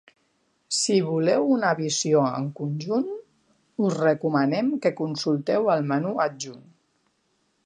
Si voleu una visió en conjunt, us recomanem que consulteu el menú adjunt.